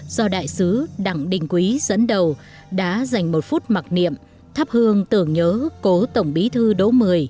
do đại sứ đặng đình quý dẫn đầu đã dành một phút mặc niệm thắp hương tưởng nhớ cố tổng bí thư đỗ mười